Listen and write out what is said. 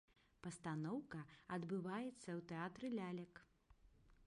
Пастаноўка адбываецца у тэатры лялек.